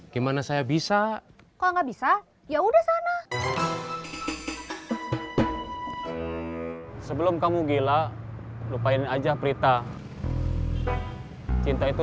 gimana saya bisa kok nggak bisa ya udah sana sebelum kamu gila lupain aja prita cinta itu